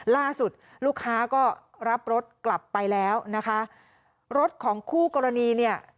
ลูกค้าก็รับรถกลับไปแล้วนะคะรถของคู่กรณีเนี่ย